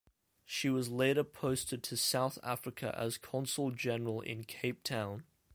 She was later posted to South Africa as Consul general in Cape Town.